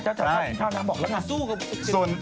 ใช่บอกแล้วกัน